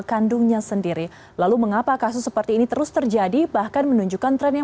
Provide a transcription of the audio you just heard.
kandungnya sendiri lalu mengapa kasus seperti ini terus terjadi bahkan menunjukkan tren yang